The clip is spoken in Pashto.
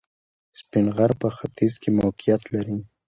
سپین غر په ختیځ کې موقعیت لري